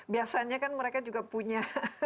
biasanya kan mereka juga punya